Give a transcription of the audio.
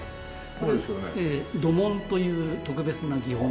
これ「土紋」という特別な技法なんです。